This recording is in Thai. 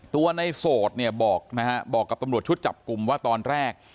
ตัวในโสดเนี่ยบอกนะฮะบอกกับตำรวจชุดจับกลุ่มว่าตอนแรก